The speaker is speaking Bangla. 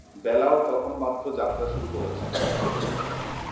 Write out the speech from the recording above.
বেলা-ও তখন মাত্র যাত্রা শুরু করেছে।